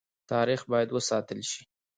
تاریخ باید وساتل شي